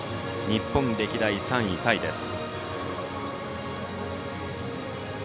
日本歴代３位タイです。